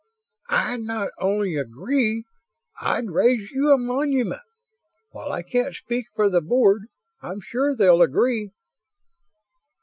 "I'd not only agree; I'd raise you a monument. While I can't speak for the Board, I'm sure they'll agree."